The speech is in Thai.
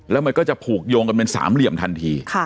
แล้วมันก็จะผูกโยงกันเป็นสามเหลี่ยมทันที